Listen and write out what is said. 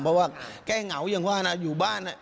เพราะว่าแก้เหงาอย่างว่านะอยู่บ้าน